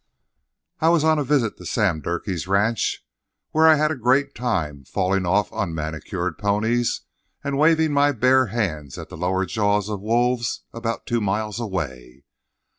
I was on a visit to Sam Durkee's ranch, where I had a great time falling off unmanicured ponies and waving my bare hand at the lower jaws of wolves about two miles away.